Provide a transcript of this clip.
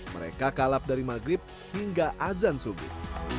mereka kalap dari maghrib hingga azan subuh